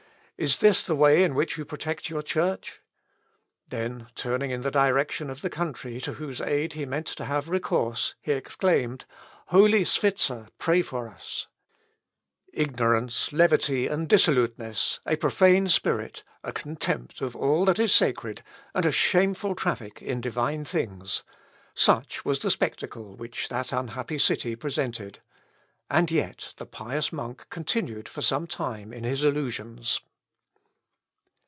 Is this the way in which you protect your Church?" Then turning in the direction of the country to whose aid he meant to have recourse, he exclaimed, "Holy Switzer, pray for us." Ignorance, levity, and dissoluteness, a profane spirit, a contempt of all that is sacred, and a shameful traffic in divine things; such was the spectacle which that unhappy city presented, and yet the pious monk continued for some time in his illusions. "Sancte Swizere! ora pro nobis."